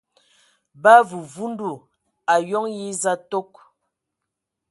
Ba vuvundu ayoŋ eza tok.